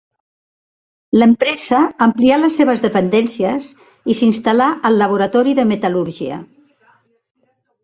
L'empresa amplià les seves dependències i s'instal·là al Laboratori de Metal·lúrgia.